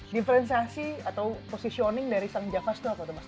diferensiasi atau positioning dari sang javas itu apa tuh mas